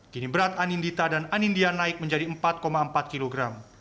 kini berat anindita dan anindya naik menjadi empat empat kg